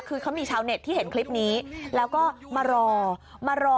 คือเขามีชาวเน็ตที่เห็นคลิปนี้แล้วก็มารอมารอ